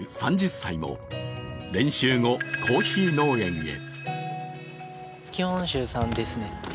３０歳も練習後、コーヒー農園へ。